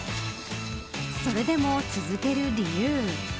それでも続ける理由。